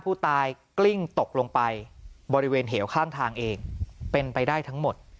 ผู้ตายกลิ้งตกลงไปบริเวณเหวข้างทางเองเป็นไปได้ทั้งหมด